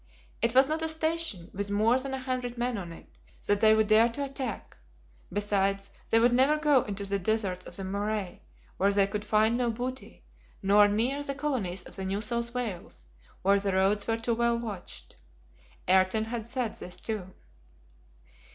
It was not a station, with more than a hundred men on it, that they would dare to attack. Besides, they would never go into the deserts of the Murray, where they could find no booty, nor near the colonies of New South Wales, where the roads were too well watched. Ayrton had said this too.